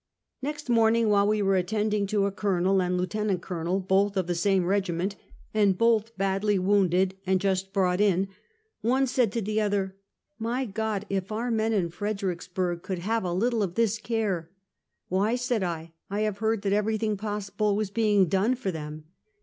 Next morning while we were attending to a Colonel, and Lieutenant Colonel, both of the same regiment, and both badly wounded and just brought in, one said to the other: "My God, if our men in Fredericksburg Go TO Feedekicksbukg. 305 could have a little of this care!" "Why?" said I, " I have heard that everything possible was being done for them